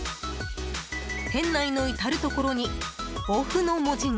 店内の至るところに「ＯＦＦ」の文字が。